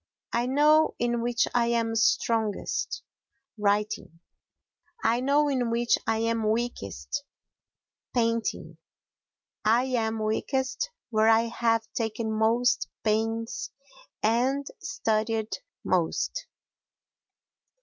I know in which I am strongest—writing; I know in which I am weakest—painting; I am weakest where I have taken most pains and studied most.